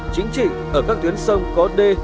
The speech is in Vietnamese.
chính trị ở các tuyến sông có đê